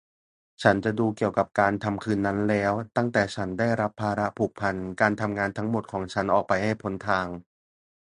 ฉันจะดูเกี่ยวกับการทำคืนนั้นแล้วตั้งแต่ฉันได้รับภาระผูกพันการทำงานทั้งหมดของฉันออกไปให้พ้นทาง